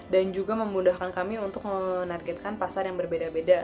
dan juga memudahkan kami untuk menargetkan pasar yang berbeda beda